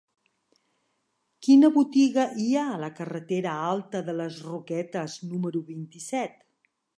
Quina botiga hi ha a la carretera Alta de les Roquetes número vint-i-set?